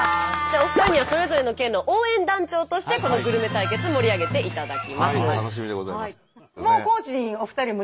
お二人にはそれぞれの県の応援団長としてこのグルメ対決盛り上げていただきます。